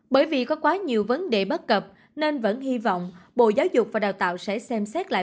bởi vì có quá nhiều vấn đề bất cập nên vẫn hy vọng bộ giáo dục và đào tạo sẽ xem xét lại